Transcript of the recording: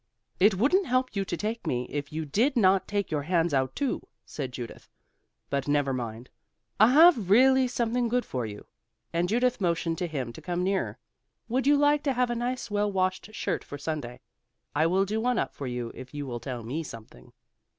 "It wouldn't help you to take me, if you did not take your hands out too," said Judith, "but never mind, I have really something good for you," and Judith motioned to him to come nearer. "Would you like to have a nice well washed shirt for Sunday? I will do one up for you if you will tell me something."